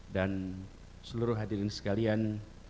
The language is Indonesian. dan seluruh hadirin sekalian